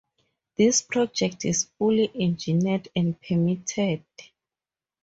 This project is fully engineered and permitted.